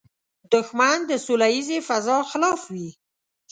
دښمن د سولیزې فضا خلاف وي